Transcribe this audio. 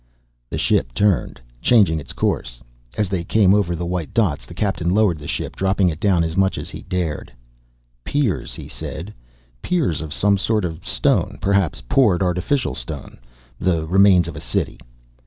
The ship turned, changing its course. As they came over the white dots the Captain lowered the ship, dropping it down as much as he dared. "Piers," he said. "Piers of some sort of stone. Perhaps poured artificial stone. The remains of a city."